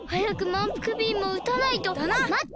まって！